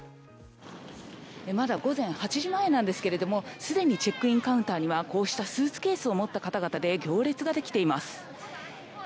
まだ午前８時前なんですけれども、すでにチェックインカウンターにはこうしたスーツケースを持った方々で行列ができています。